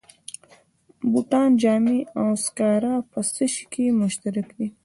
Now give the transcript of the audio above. بوټان، جامې او سکاره په څه شي کې مشترک دي